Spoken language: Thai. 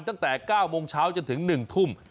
ตั้งแต่๙โมงเช้าจนถึง๑ทุ่ม